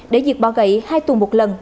để diệt bỏ gậy hai tuần một lần